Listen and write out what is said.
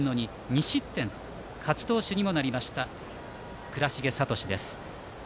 ２失点、勝ち投手にもなった倉重聡です。